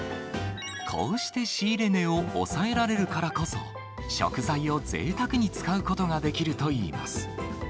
こうして仕入れ値を抑えられるからこそ、食材をぜいたくに使うことができるといいます。